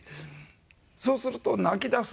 そうすると泣き出す。